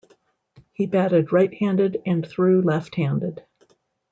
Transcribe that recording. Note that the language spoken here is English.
He batted right-handed and threw left-handed.